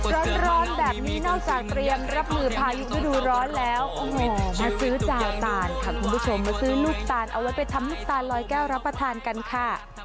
ร้อนแบบนี้นอกจากเตรียมรับมือพายุฤดูร้อนแล้วโอ้โหมาซื้อจาวตานค่ะคุณผู้ชมมาซื้อลูกตาลเอาไว้ไปทำลูกตาลลอยแก้วรับประทานกันค่ะ